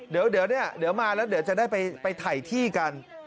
เดี๋ยวมาแล้วเดี๋ยวจะได้ไปถ่ายที่กัน